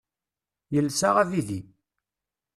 Yelsa abidi.